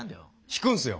引くんすよ。